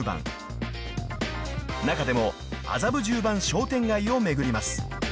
［中でも麻布十番商店街を巡ります］